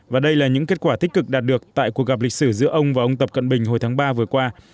và đây là những kết quả tích cực đạt được tại cuộc gặp lịch sử giữa ông và ông tập cận bình hồi tháng ba vừa qua